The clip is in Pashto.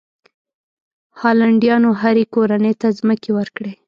هالنډیانو هرې کورنۍ ته ځمکې ورکړې.